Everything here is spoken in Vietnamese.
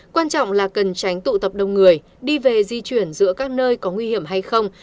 quan trọng là cần tránh tụ tập đông người đi về di chuyển giữa các nơi có nguy hiểm hay không